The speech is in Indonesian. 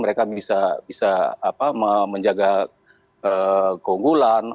mereka bisa menjaga keunggulan